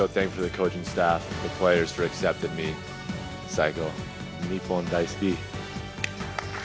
最高、日本大好き。